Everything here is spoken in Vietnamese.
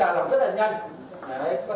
mà cái vật chức kệ không có đi